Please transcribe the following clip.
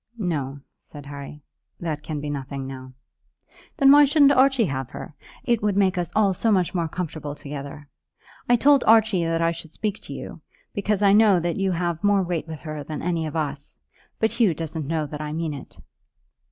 "No," said Harry, "that can be nothing now." "Then why shouldn't Archie have her? It would make us all so much more comfortable together. I told Archie that I should speak to you, because I know that you have more weight with her than any of us; but Hugh doesn't know that I mean it."